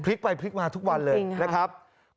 ไปพลิกมาทุกวันเลยนะครับ